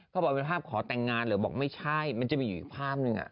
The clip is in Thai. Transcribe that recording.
เขาบอกเป็นภาพขอแต่งงานเหรอบอกไม่ใช่มันจะมีอยู่อีกภาพหนึ่ง